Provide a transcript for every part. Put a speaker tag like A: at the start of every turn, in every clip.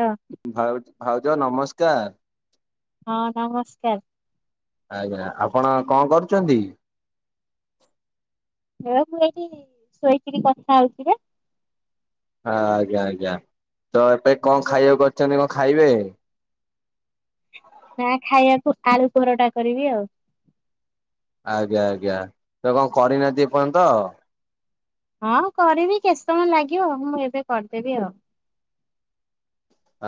A: ହଁ।
B: ଭା ଭାଉଜ ନମସ୍କାର।
A: ହଁ ନମସ୍କାର।
B: ଆଜ୍ଞା ଆପଣ କଣ କରୁଛନ୍ତି?
A: ହେ ମୁଁ ଏଇଠି ଶୋଇକିରୀ କଥା ହଉଥିଲି।
B: ହ ଆଜ୍ଞା ଆଜ୍ଞା ତ ଏବେ କଣ ଖାଇବାକୁ କରିଛନ୍ତି କଣ ଖାଇବେ?
A: ନା ଖାଇବାକୁ ଆଳୁ ପରଟା କରିବି ଆଉ।
B: ଆଜ୍ଞା ଆଜ୍ଞା ତୁ କଣ କରିନାହାନ୍ତିି ଏ ପର୍ଯ୍ୟନ୍ତ।
A: ହଁ କରିବି କେତେ ସମୟ ଲାଗିବ ମୁଁ ଏବେ କରିଦେବି ଆଉ।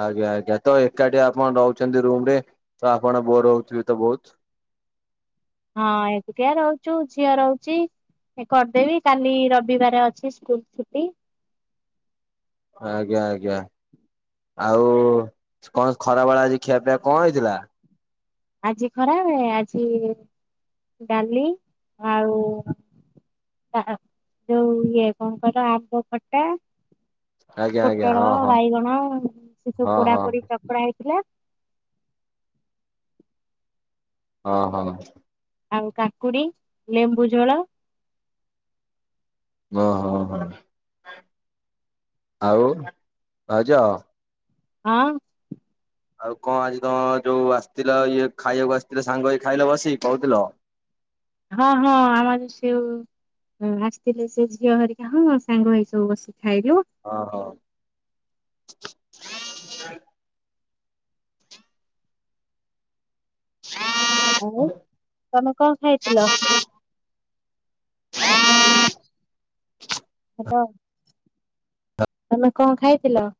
B: ଆଜ୍ଞା ଆଜ୍ଞା ତ ଏକାଠି ଆପଣ ରହୁଛନ୍ତି ରୁମ ରେ ତ ଆପଣ ବୋର ହଉଥିବେ ତ ବହୁତ।
A: ହଁ ଏକୁଟିଆ ରହୁଚୁ ଝିଅ ରହୁଚି। କରିଦେବି କାଲି ରବିବାର ଅଛି ସ୍କୁଲ ଛୁଟି।
B: ଆଜ୍ଞା ଆଜ୍ଞା। ଆଉ କଣ ଖରା ବେଳ ଆଜି ଖିଆ ପିଆ କଣ ହେଇଥିଲା?
A: ଆଜି ଖରା ବେଳେ ଆଜି ଡାଲି ଆଉ ଯୋଉ ଇଏ କଣ କହିଲ ଆମ୍ବ ଖଟା
B: ଆଜ୍ଞା ଆଜ୍ଞା
A: ପୋଟଳ
B: ହଁ ହଁ
A: ବାଇଗଣ ସେ ସବୁ
B: ହଁ
A: ପୋଡା
B: ହଁ
A: ପୋଡି ଚକଡ଼ା ହେଇଥିଲା।
B: ହଁ ହଁ।
A: ଆଉ କାକୁଡି ଲେମ୍ବୁ ଝୋଳ।
B: ଓହୋ ହୋ ହୋ ଆଉ ଭାଉଜ
A: ହଁ।
B: ଆଉ କଣ ଆଜି ତମ ଯୋଉ ଆସିଥିଲ ଇଏ ଖାଇବାକୁ ଆସିଥିଲା ସାଙ୍ଗ ଏଇ ଖାଇଲ ବସିିକି କହୁ ଥିଲ।
A: ହଁ ହଁ ଆମର ସେଓ ହ ଆସିଥିଲେ ସେ ଝିଅ ହରିକା ହଁ ସାଙ୍ଗ ହେଇ ସବୁ ବସି ଖାଇଲୁ।
B: ହଁ ହଁ।
A: ଆଉ ତମେ କଣ ଖାଇଥିଲ? ହାଲୋ ତମେ କଁ ଖାଇଥିଲ?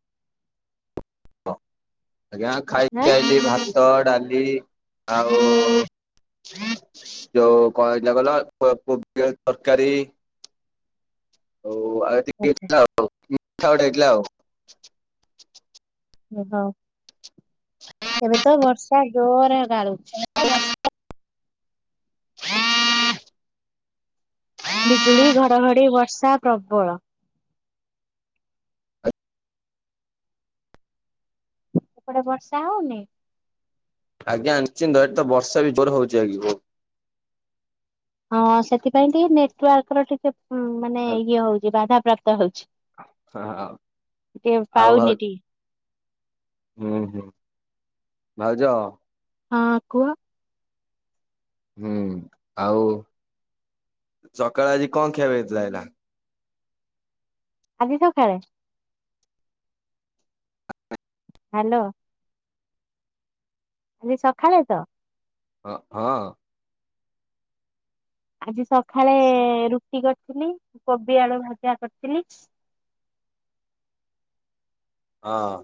B: ଅ ଆଜ୍ଞା
A: ଆଁ
B: ଖାଇଁକିଆଇଲି ଭାତ ଡାଲି ଆଉ ଯୋଉ କଣ ହେଇଥିଲା କଇଁଲ କୋବି ଆଳୁ ତରକାରୀ ଆଉ ଆଉ
A: ଆଚ୍ଛା
B: ହେଇଥିଲା ଆଉ ମିଠା ଗୋଟେ ହେଇଥିଲା ଆଉ।
A: ଓହୋ। ଏବେତ ବର୍ଷା ଜୋର ଡ଼ାଳୁଚି।
B: [unintelligible]
A: ବିଜୁଳି ଘଡ଼ଘଡି଼ ବର୍ଷା ପ୍ରବଳ ସେପଟେ ବର୍ଷା ହଉନି?
B: ଆଜ୍ଞା ନିଶ୍ଚିନ୍ତ ଏଠିତ ବର୍ଷାବି ଜୋର ହଉଚି ଆଜି ବୋହୁତ୍।
A: ହଁ ସେଥିପାଇଁ ଟିକେ ନେଟୱାର୍କର ଟିକେ ମାନେ ଇଏ ହଉଚି ବାଧା ପ୍ରାପ୍ତ ହଉଚି।
B: ଆଉ
A: ଟିକେ
B: ଆଉ ଭାଉ
A: ପାଉନି ଏଠିକି।
B: ହୁଁ ହୁଁ ଭାଉଜ?
A: ହଁ କୁହ।
B: ହୁଁ ଆଉ ଚକାଳେ ଆଜି କଣ ଖିଆବେ ଏଇନା?
A: ଆଜି ସକାଳେ? ହାଲୋ। ଆଜି ସଖାଳେତ?
B: ହଁ ହଁ।
A: ଆଜି ସଖାଳେ ରୁଟି କରିଥିଲି କୋବି ଆଳୁ ଭାଜା କରିଥିଲି
B: ହଁ।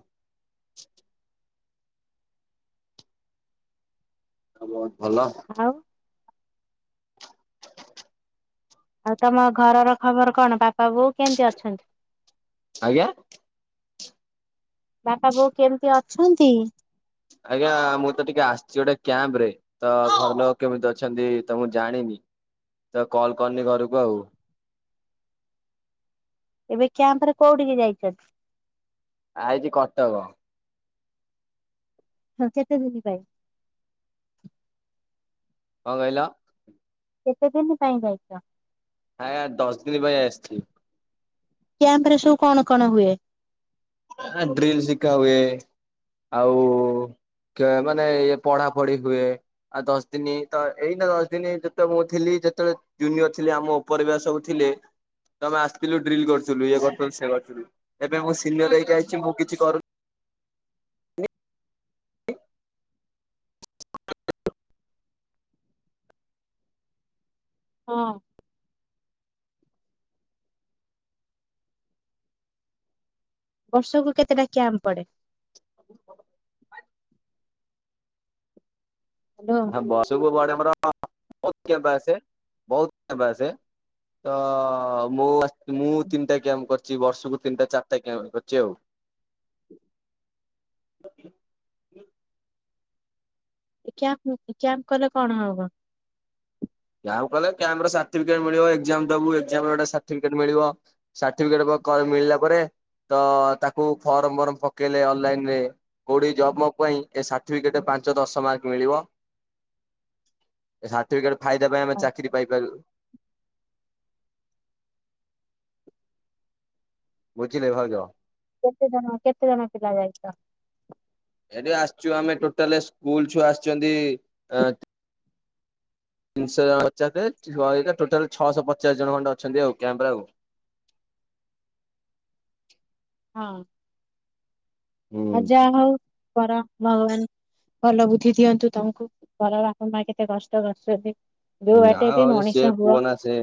B: ଆଉ ବହୁତ୍ ଭଲ।
A: ଆଉ? ଆଉ ତମ ଘରର ଖବର କଣ ବାପା ବୋଉ କେମିତି ଅଛନ୍ତି?
B: ଆଜ୍ଞା?
A: ବାପା ବୋଉ କେମିତି ଅଛନ୍ତି?
B: ଆଜ୍ଞା ମୁଁତ ଟିକେ ଆସିଚି ଗୋଟେ କ୍ୟାମ୍ପ୍ ରେ ତ ଘର ଲୋକ କେମିତି ଅଛନ୍ତି ତମୁଁ ଜାଣିନି ତକଲ୍ କରିନି ଘରକୁ ଆଉ।
A: ଏବେ କ୍ୟାମ୍ପରେ କୋଉଠିକି ଯାଇଚନ୍ତି?
B: ଆଇଚି କଟକ।
A: ହଁ କେତେ ଦିନି ପାଇଁ?
B: କଁ କଇଁଲ?
A: କେତେ ଦିନି ପାଇଁ ଯାଇଚ?
B: ଆଁ ଦଶ ଦିନ୍ ପାଇଁ ଆସିଚି।
A: କ୍ୟାମ୍ପରେ ସବୁ କଣ କଣ ହୁଏ?
B: ଡ୍ରିଲ୍ ଶିକା ହୁଏ ଆଉ କେ ମାନେ ଏପଢ଼ାପଢି଼ ହୁଏ ଆଉ ଦଶ ଦିନତ ଏଇନା ଦଶ ଦିନ୍ ଯେତବେଳେ ମୁଁ ଥିଲି ଯେତେବେଳେ ଜୁନିଅର ଥିଲି ଆମ ଉପର ବ୍ୟାଚ୍ ସବୁ ଥିଲେ ତଆମେ ଆସିଥିଲୁ ଡ୍ରିଲ୍ କରିଥିଲୁ ଇଏ କରୁଥିଲୁ ସେ କରିୁଥିଲୁ ଏବେ ମୁଁ ସିନିୟର ହେଇକି ଆଇଚି ମୁଁ କିଛି କରୁ
A: ହଁ ବର୍ଷକୁ କେତେଟା କ୍ୟାମ୍ ପଡ଼େ?
B: [unintelligible]
A: ହାଲୋ।
B: ହଁ ବର୍ଷକୁ ପଡ଼େ ଆମର ବହୁତ୍ କ୍ୟାପ୍ ଆସେ ବହୁତ୍ ଆସେ ତ ମୁଁ, ମୁଁ ତିନିଟା କ୍ୟାମ୍ କର ବର୍ଷକୁ ତିନିଟା ଚାରିଟା କ୍ୟାମ୍ପ ଗୋଟେ କରିଚି ଆଉ।
A: କ୍ୟାମ୍ପ, କ୍ୟାମ୍ପ କଲେ କଣ ହବ?
B: କ୍ୟାମ୍ପ କୁ ଗଲେ, କ୍ୟାମ୍ପ ର ସାର୍ଟିଫିକେଟ ମିଳିବ, ଏକ୍ଜାମ୍ ଦେବୁ, ଏକ୍ଜାମ୍ ର ଗୋଟେ ସାର୍ଟିଫିକେଟ ମିଳିବ। ସାର୍ଟିଫିକେଟ କ କ ମିଳିଲା ପରେ, ତ ତାକୁ ଫର୍ମ ଫର୍ମ ପକେଇଲେ ଅନଲାଇନ ରେ କୋଉଠି ଜବ୍ ପବ୍ ପାଇଁ ଏ ସାର୍ଟିଫିକେଟେ ପାଞ୍ଚ ଦଶ ମାର୍କ ମିଳିବ, ଏ ସାର୍ଟିଫିକେଟ ଫାଇଦା ପାଇଁ ଆମେ ଚାକିରି ପାଇପାରୁ। ବୁଝିଲେ ଭାଉଜ?
A: କେତେ ଜଣ, କେତେ ଜଣ ପିଲା ଯାଇଚ?
B: ଏଠି ଆସିଚୁ ଆମେ ଟୋଟାଲେ, ସ୍କୁଲ ଛୁଆ ଆସିଚନ୍ତି, ଆଁ ତିନିଶହ ଜଣ ଅଚନ୍ତି, ଟୋଟାଲ ଛଅଶ ପଚାଶ ଜଣ ଖଣ୍ଡେ ଅଛନ୍ତି ଆଉ, କ୍ୟାମ୍ପ ରେ ଆଉ।
A: ହଁ ଅଁ ଆଉ
B: ହୁଁ
A: ଯାହା ହଉ, କର ଭଗବାନ ଭଲ ବୁଦ୍ଧି ଦିଅନ୍ତୁ ତମକୁ, ଭଲ ବାପା ମା କେତେ କଷ୍ଟ କରିଚନ୍ତି।
B: ନା ଭାଉଜ ସେ କୁଅ ନା ସେ,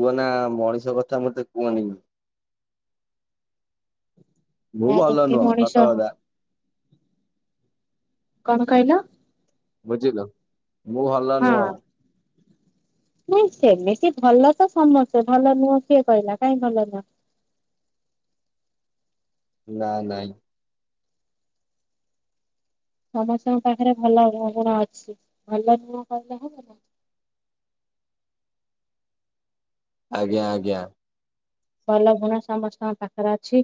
B: କୁଅ ନା ମଣିଷ କଥା ମତେ କୁଅନି। ମୁଁ ଭଲ
A: [unintelligible]
B: ନୁହଁ ସତ
A: ମଣିଷ
B: କଥା।
A: କଣ କହିଲ?
B: ବୁଝିଲ, ମୁଁ ଭଲ ନୁହଁ।
A: [unintelligible] ନାଇଁ ସେମିତି ଭଲ ତ ସମସ୍ତେ, ଭଲ ନୁହଁ କିଏ କହିଲା, କାଇଁ ଭଲ ନୁହଁ?
B: ନା ନାଇଁ
A: ସମସ୍ତଙ୍କ ପାଖରେ ଭଲ ଭାବନା ଅଛି, ଭଲ ନୁହଁ କହିଲେ ହବ ନା?
B: ଆଜ୍ଞା ଆଜ୍ଞା।
A: ଭଲ ଗୁଣ ସମସ୍ତଙ୍କ ପାଖରେ ଅଛି,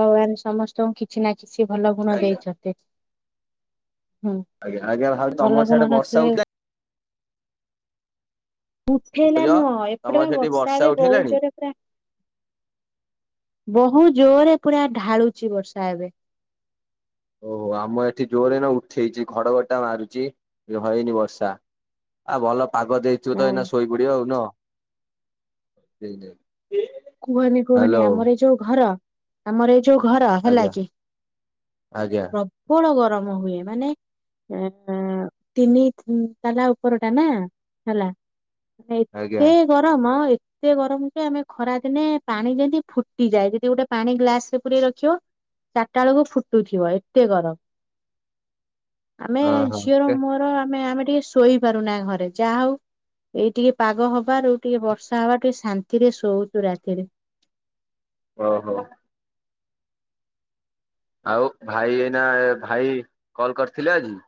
A: ଭଗବାନ ସମ ସ୍ତଙ୍କୁ କିଛି ନା କିଛି ଭଲ ଗୁଣ ଦେଇଛନ୍ତି। ହୁଁ,
B: ଆଜ୍ଞା ଭାଉ
A: ଭଲ
B: ତମର
A: ଗୁଣ
B: ସିଆଡେ ବର୍ଷା
A: ନଥିଲେ [unintelligible] ଏଠି ହେଲା
B: ଉଠେଇଲା
A: ନୁହଁ, ଏପଟେ
B: ତମର
A: ବା
B: ସେଠି
A: ବର୍ଷା ଏବେ ବହୁତ
B: ଉଠେଇଲାଣି?
A: ଜୋରେ ପୁରା ବହୁତ ଜୋରେ ପୁରା ଢାଳୁଚି ବର୍ଷା ଏବେ।
B: ଓହୋ, ଆମ ଏଠି ଜୋରେ ନା ଉଠେଇଚି, ଘଡଘଡି ଟା ମାରୁଚି, ଅ ହଇନି ବର୍ଷା। ଆଉ ଭଲ ପାଗ ଦେଇଥିବ ତ ଏଇନା ଶୋଇପଡିବ ନୁହଁ, ଏଇନେ।
A: କୁହନି କୁହନି ଆମର ଯୋଉ ଘର, ଆମର ଏ ଯୋଉ ଘର ହେଲା
B: ଆଜ୍ଞା
A: କି,
B: ଆଜ୍ଞା
A: ପ୍ରବଳ ଗରମ ହୁଏ, ମାନେ ଆ-ଆ-ଆ ତିନି ତାଲା ଉପର ଟା ନା, ହେଲା ମାନେ
B: ଆଜ୍ଞା
A: ଏତେ ଗରମ, ଆଉ ଏତେ ଗରମ ଯେ ଆମେ ଖରା ଦିନେ ପାଣି ଯେମିତି ଫୁଟିଯାଏ, ଯଦି ଗୋଟେ ପାଣି ଗ୍ଲାସ ରେ ପୁରେଇ ରଖିବ ଚାରିଟା ବେଳକୁ ଫୁଟୁଥିବ, ଏତେ ଗରମ। ଆମେ
B: ହଁ
A: ଝିଅର
B: ହଁ।
A: ମୋର ଆମେ, ଆମେ ଟିକେ ଶୁ ଶୋଇ ପାରୁନା ଏ ଘରେ, ଯାହା ହଉ, ଏଇ ଟିକେ ପାଗ ହବାରୁ, ଟିକେ ବର୍ଷା ହବାଠୁ, ଟିକେ ଶାନ୍ତିରେ ଶୋ ଶୋଉଚୁ ରାତିରେ।
B: ଓ ହୋ। ଆଉ ଭାଇ ଏଇନା ଭାଇ, କଲ କରିଥିଲେ ଆଜି?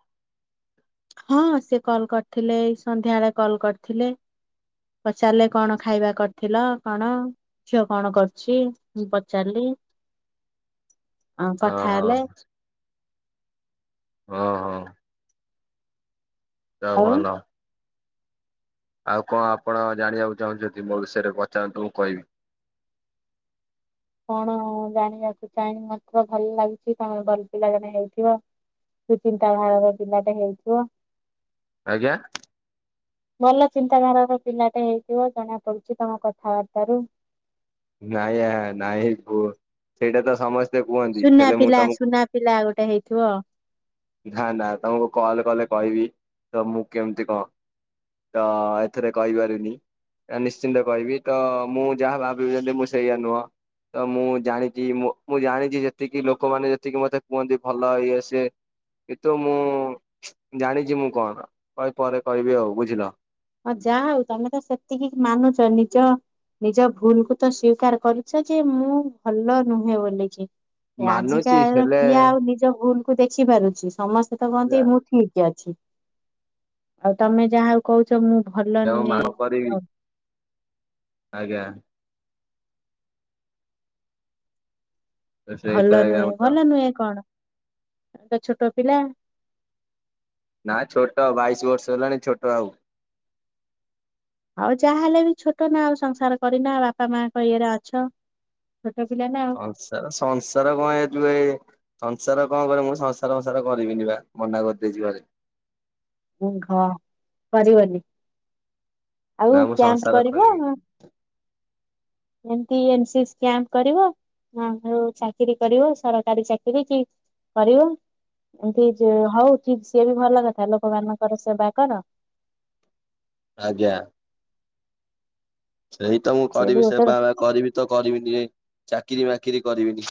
A: ହଁ ସେ କଲ୍ କରିଥିଲେ ଏଇ ସନ୍ଧ୍ୟା ଏଳେ କଲ୍ କରିଥିଲେ। ପଚାରିଲେ କଣ ଖାଇବା କରିଥିଲ, କଣ? ଛୁଆ କଣ କରୁଛି ମୁଁ ପଚାରିଲି ଆଉ
B: ହଁ
A: କଥା
B: ହଁ
A: ହେଲେ।
B: ଓ ହୋ। ଦେହ
A: ଆଉ
B: ଭଲ। ଆଉ କଣ ଆପଣ ଜାଣିବାକୁ ଚାହୁଁଚନ୍ତି ମୋ ବିଷୟରେ ପଚାରନ୍ତୁ ମୁଁ କହିବି।
A: କଣ ଜାଣିବାକୁ ଚାହିଁବି ମତେ ତ ଭଲ ଲାଗୁଛି ତମେ ଭଲ ପିଲା ମାନେଜଣେ ହେଇଥିବ। ସେ ଚିନ୍ତାଧାରାର ପିଲାଟେ ହେଇଥିବ।
B: ଆଜ୍ଞା।
A: ଭଲ ଚିନ୍ତାଧାରାର ପିଲାଟେ ହେଇଥିବ ଜଣା ପଡୁଚି ତମ କଥାବାର୍ତ୍ତା ରୁ।
B: ନାଇଁ ନାଇଁ ସେଇଟା ତ ସମସ୍ତେ କୁହନ୍ତି
A: ସୁନା
B: ହେଲେ ମୁଁ
A: ପିଲା
B: ତମକୁ
A: ସୁନା ପିଲା ଗୋଟେ ହେଇଥିବ।
B: ନା ନା ତମକୁ କଲ କଲେ କହିବି ତ ମୁଁ କେମିତି କଣ। ତ ଏଥିରେ କହିପାରୁନି ନିଶ୍ଚିନ୍ତ କହିବି ତ ମୁଁ ଯାହା ଭା ଭାବୁଚନ୍ତି ମୁଁ ସେଇ ଆ ନୁହଁ। ତ ମୁଁ ଜାଣିଛି ମୁଁ ଜାଣିଛି ଯେତିକି ଲୋକମାନେ ଯେତିକି ମତେ କୁହନ୍ତି ଭଲ ଇଏ ସିଏ କିନ୍ତୁ ମୁଁ ଜାଣିଚି ମୁଁ କଣ କହିବି ପରେ କହିବି ଆଉ ବୁଝିଲ।
A: ଯାହା ହୋଉ ତମେ ତ ସେତିକି ମାନୁଚ ନିଜ ନିଜ ଭୁଲ୍ କୁ ତ ସ୍ଵୀକାର କରିଚ ଯେ ମୁଁ ଭଲ ନୁହେଁ ବୋଲିକି। ଆଜିକା
B: ମାନୁଛି ହେଲେ
A: କିଏ ଆଉ ନିଜ ଭୁଲ୍ କୁ ଦେଖି ପାରୁଛି ସମସ୍ତେ ତ କୁହନ୍ତି
B: ଆଜ୍ଞା।
A: ମୁଁ ଠିକ୍ ଅଛି। ଆଉ ତମେ ଯାହାହୋଉ କହୁଛ ମୁଁ ଭଲ
B: ଆଉ କଣ
A: ନୁହେଁ।
B: କରିବି ଆଜ୍ଞା। ତ ସେଇଟା
A: ଭଲ
B: ଆଜ୍ଞା
A: ନୁହେଁ
B: ମୁଁ ତ
A: ଭଲ ନୁହେଁ କଣ ଛୋଟ ଛୋଟ ପିଲା।
B: ନାଇଁ ଛୋଟ ବାଇଶି ବର୍ଷ ହେଲାଣି ଛୋଟ ଆଉ କଣ।
A: ଆଉ ଯାହାହେଲେ ବି ଛୋଟ ନା ଆଉ ସଂସାର କରିନ ବାପା ମାଙ୍କ ଇଏରେ ଅଛ ଛୋଟ ପିଲା ନା।
B: ସଂସାର କଣ ହେ ଯୁ ଏ ସଂସାର କଣ କରିବି ମୁଁ ସଂସାର ଫସାର କରିବିନି ବା ମନା କରିଦେଇଛି ଘରେ।
A: [unintelligible] କରିବନି। ଆଉ
B: ନା ମୁଁ
A: କ୍ୟାମ୍ପ
B: ସଂସାର
A: କରିବ
B: କରିବି
A: ନା। ଏମତି ଏନସିସି କ୍ୟାମ୍ପ କରିବ। ହଁ ଆଉ ଚାକିରି କରିବ ସରକାରୀ ଚାକିରି କି କରିବ। ଏମିତି ହଉ ଠିକ୍ ସିଏ ବି ଭଲ କଥା ଲୋକମାନଙ୍କର ସେବା କର।
B: ଆଜ୍ଞା। ସେଇ ତ ମୁଁ
A: ସିଏ
B: କରିବି
A: ବି
B: ସେ ବା
A: ଗୋଟେ
B: ବା କରିବି ତ କରିବିନି ଚାକିରି ବାକିରି କରିବିନି।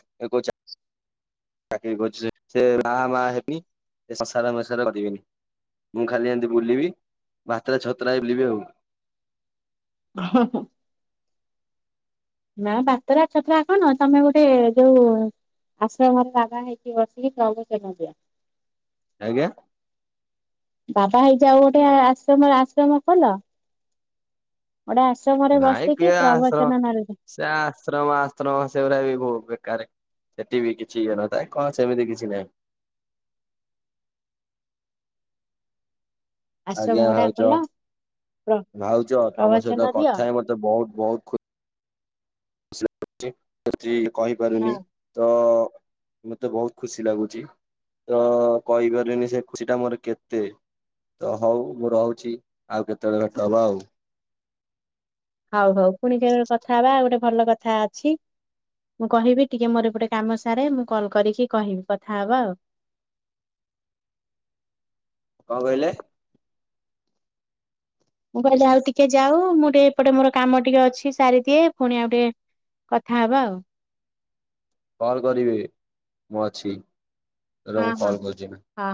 B: ଚାକିରି ଖୋଜୁଚି ସେ ବାହା ମା ହେବି ସେ ସଂସାରଫସାର କରିବିନି। ମୁଁ ଖାଲି ଏମିତି ବୁଲିବି ବାତେରା ଛତରା ହେଇ ବୁଲିବି ଆଉ।
A: ହୁଁହୁଁ। ନା ବାତେରାଛତରା କଣ ତମେ ଗୋଟେ ଯୋଉ ଆଶ୍ରମରେ ବାବା ହେଇକି ବସିକି ପ୍ରବଚନ‌ଦିଅ।
B: ଆଜ୍ଞା।
A: ବାବା ହେଇଯାଓ ଗୋଟେ ଆଶ୍ରମରେ ଆଶ୍ରମ ଖୋଲ। ଗୋଟେ ଆଶ୍ରମରେ
B: ନାଇଁ
A: ବସିକି
B: କିଏ ଆଶ୍ର
A: ପ୍ରବଚନ ନହେଲେ ଦିଅ।
B: ସେ ଆଶ୍ରମ ଆଶ୍ରମ ସେଗୁରା ବି ବେକାରେ। ସେଠି ବି କିଛିଇଏନଥାଏ କଣ ସେମିତି କିଛି ନାହିଁ।
A: ଆଶ୍ରମ
B: ଆଜ୍ଞା
A: ଗୋଟା
B: ଭାଉଜ
A: ଖୋଲ ପ୍ର
B: ଭାଉଜ ତମ ସହିତ
A: ପ୍ରବଚନ ଦିଅ
B: କଥା ହେଇ ମତେ ବହୁତ୍ ବହୁତ୍ ଖୁ ଖୁସି ଲାଗୁଛି ଖୁସି କହିପାରୁନି।
A: ହଁ
B: ତ ମତେ ବହୁତ୍ ଖୁସି ଲାଗୁଛି। ତ କହିପାରିଲିନି ସେ ଖୁସି ଟା ମୋର କେତେ। ତ ହଉ ମୁଁ ରହୁଛି ଆଉ କେତେବେଳେ ଭେଟ ହବ ଆଉ।
A: ହଉ ହଉ ପୁଣି କେବେ କଥା ହବା ଗୋଟେ ଭଲ କଥା ଅଛି। ମୁଁ କହିବି ଟିକେ ମୋର ଏପଟେ କାମ ସାରେ ମୁଁ କଲ୍ କରିକି କହିବି କଥାହବା ଆଉ।
B: କଁ କହିଲେ?
A: ମୁଁ କହିଲି ଆଉ ଟିକେ ଯାଉ ମୁଁ ଟିକେ ଏପଟେ ମୋର କାମ ଟିକେ ଅଛି ସାରିଦିଏ ପୁଣି ଆଉ ଟିକେ କଥା ହବା ଆଉ।
B: କଲ୍ କରିବି ମୁଁ ଅଛି ର
A: ହଁ
B: ମୁଁ
A: ହଁ
B: କଲ୍ କରୁଛି ଏନା।
A: ହଁ